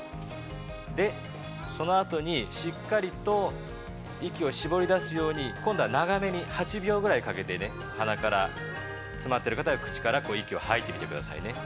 そのあとに、しっかりと、息を絞り出すように今度は長めに８秒ぐらいかけて鼻からつまってる方は、口から息を吐いてみてください。